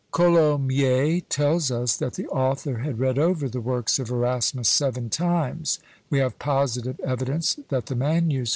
Colomiés tells us, that the author had read over the works of Erasmus seven times; we have positive evidence that the MS.